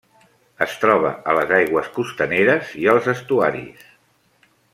Es troba a les aigües costaneres i als estuaris.